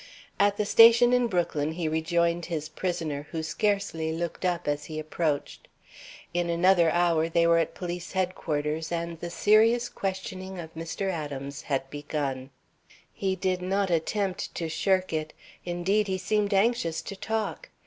At the station in Brooklyn he rejoined his prisoner, who scarcely looked up as he approached. In another hour they were at Police Headquarters and the serious questioning of Mr. Adams had begun. He did not attempt to shirk it. Indeed, he seemed anxious to talk.